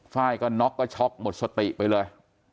ไฟล์ก็น็อกก็ช็อกหมดสติไปเลย